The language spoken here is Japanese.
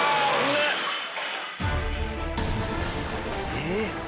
えっ。